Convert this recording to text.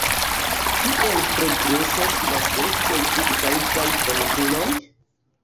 Kiel progresas la serĉoj pri taŭgaj volontuloj?